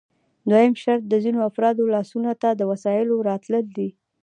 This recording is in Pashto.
دوهم شرط د ځینو افرادو لاسونو ته د وسایلو راتلل دي